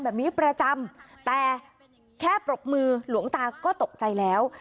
แบบนี้ประจำแต่แค่ปรบมือหลวงตาก็ตกใจแล้ว